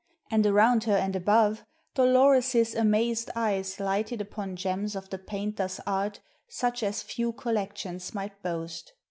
And around her and above, Dolores's amazed eyes lighted upon gems of the painter's art such as few collections might boast.